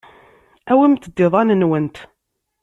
Awimt-d iḍan-nwent.